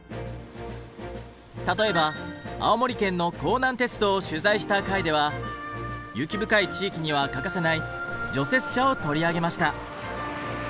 例えば青森県の弘南鉄道を取材した回では雪深い地域には欠かせない除雪車を取り上げました。